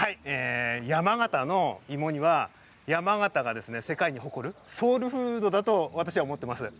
山形の芋煮は山形が世界に誇るソウルフードだと私も思っています。